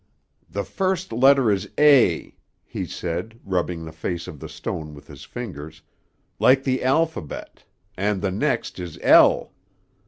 "The first letter is A," he said, rubbing the face of the stone with his fingers, "like the alphabet; and the next is L."